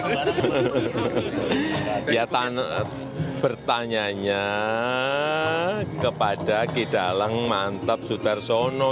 iya bertanyanya kepada kidalang mantap sudarsono